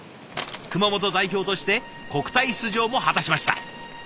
熊本代表として国体出場も果たしました。